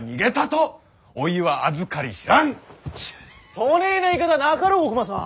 そねえな言い方はなかろう大隈さん。